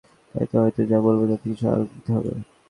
তাহলে হয়তো যা বলব তাতে কিছুটা আলোড়িত হবে।